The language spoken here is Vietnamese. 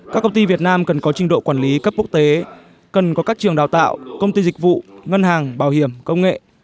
các công ty việt nam cần có trình độ quản lý cấp quốc tế cần có các trường đào tạo công ty dịch vụ ngân hàng bảo hiểm công nghệ